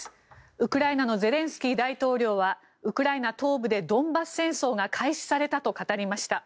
ウクライナのゼレンスキー大統領はウクライナ東部でドンバス戦争が開始されたと語りました。